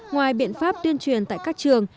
ngoài biện pháp tuyên truyền tại các trường